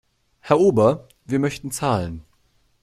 Herr Ober, wir möchten zahlen.